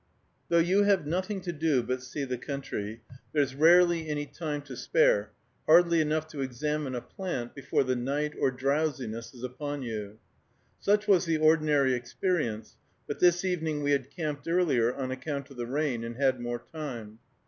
Though you have nothing to do but see the country, there's rarely any time to spare, hardly enough to examine a plant, before the night or drowsiness is upon you. Such was the ordinary experience, but this evening we had camped earlier on account of the rain, and had more time.